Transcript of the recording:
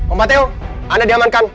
om patheo anda diamankan